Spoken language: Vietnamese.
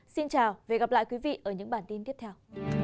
xin chào và hẹn gặp lại các bạn trong những bản tin tiếp theo